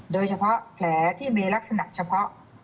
โดยเฉพาะแผลที่มีลักษณะเฉพาะ